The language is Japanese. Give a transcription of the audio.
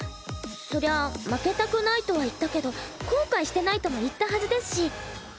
そりゃ負けたくないとは言ったけど後悔してないとも言ったはずですし。